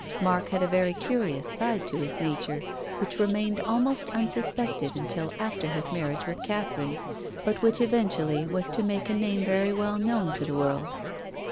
Mark had a very curious side to his nature, which remained almost unsuspected until after his mar riage with Catherine, but which eventually was to make a name very well known to the world.